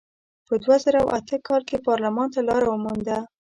په دوه زره اته کال کې پارلمان ته لار ومونده.